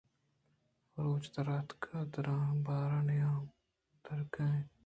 روچ رودآتک / دریا بار نیم ءَ در کئیت۔